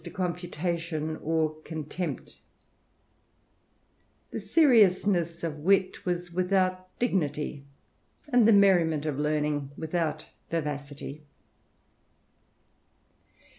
45 to confutation or contempt The seriousness of Wit was without dignity, and the merriment of Learning without vivacity.